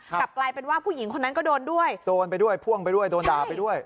กลับกลายเป็นว่าผู้หญิงคนนั้นก็โดนด้วยโดนไปด้วยพ่วงไปด้วยโดนด่าไปด้วย